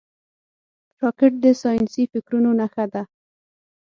راکټ د ساینسي فکرونو نښه ده